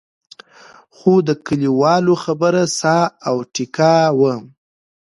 خو د کلیوالو خبره ساه او ټیکا وم.